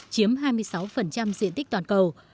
chiếm hai mươi sáu diện tích toàn cầu